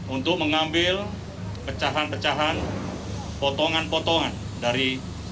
untuk mengambil pecahan pecahan potongan potongan dari